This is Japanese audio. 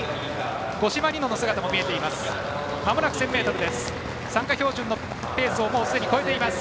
五島莉乃の姿も見えています。